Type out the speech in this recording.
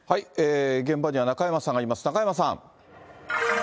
現場には中山さんがいます、中山さん。